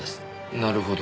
なるほど。